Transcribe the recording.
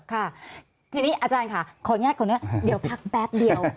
ค่ะทีนี้อาจารย์ค่ะขออนุญาตคนนี้เดี๋ยวพักแป๊บเดียว